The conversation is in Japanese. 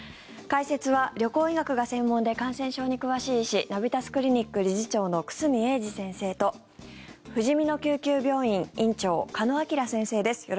解説は旅行医学が専門で感染症に詳しい医師ナビタスクリニック理事長の久住英二先生とふじみの救急病院院長鹿野晃先生です。